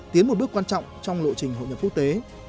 tiến một bước quan trọng trong lộ trình hội nhập quốc tế